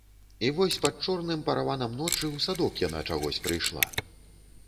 І вось пад чорным параванам ночы ў садок яна чагось прыйшла.